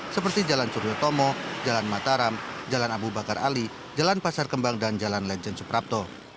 seperti jalan suryotomo jalan mataram jalan abu bakar ali jalan pasar kembang dan jalan lejen suprapto